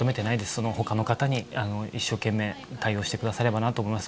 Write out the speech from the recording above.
そのほかの方に一生懸命対応してくださればなと思います。